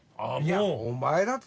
お前だって。